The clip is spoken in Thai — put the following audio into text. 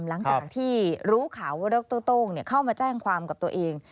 หลังจากที่รู้ข่าวว่าดรโต้งเข้ามาแจ้งความกับตัวเอง